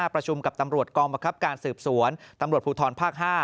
ประชุมกับตำรวจกองบังคับการสืบสวนตำรวจภูทรภาค๕